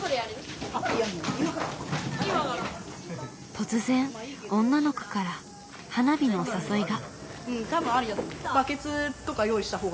突然女の子から花火のお誘いが。